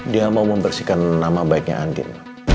dia mau membersihkan nama baiknya andin